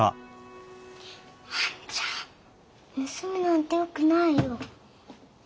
あんちゃん盗みなんてよくないよ。